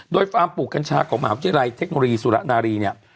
โดยฟาร์มปลูกกัญชาของมหาวิทยาลัยเทคโนโลยีสุรนารีเนี่ย